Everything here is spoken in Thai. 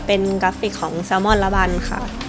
เป็นกราฟิกของแซลมอนละวันค่ะ